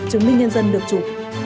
chứng minh nhân dân được chủ